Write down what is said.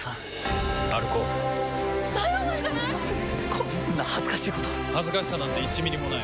こんな恥ずかしいこと恥ずかしさなんて１ミリもない。